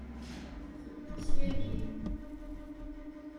Teḍḍes yagi.